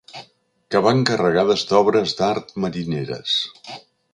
Que van carregades d'obres d'art marineres.